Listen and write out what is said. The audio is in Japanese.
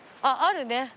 あっあるね。